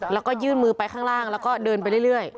แล้วก็ยื่นมือไปข้างล่างแล้วก็เดินไปเรื่อย